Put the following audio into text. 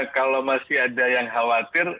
kalau masih ada yang khawatir